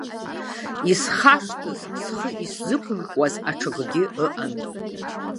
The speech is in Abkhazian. Исхашҭыз схы исзықәымкуаз аҽакгьы ыҟан.